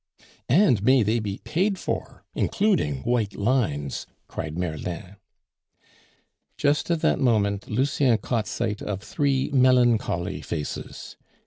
"And may they be paid for, including white lines!" cried Merlin. Just at that moment Lucien caught sight of three melancholy faces.